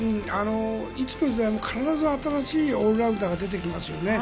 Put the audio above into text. いつの時代も必ず新しいオールラウンダーが出てきますよね。